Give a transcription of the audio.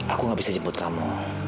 aku gak bisa jemput kamu